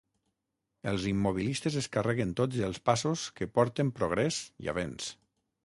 Els immobilistes es carreguen tots els passos que porten progrés i avenç!